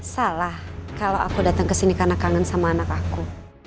salah kalau aku datang kesini karena kangen sama anak aku